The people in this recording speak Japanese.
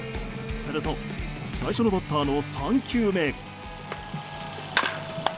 すると最初のバッターの３球目。